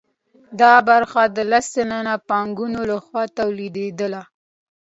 دا برخه د لس سلنه پانګوالو لخوا تولیدېدله